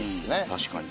確かに。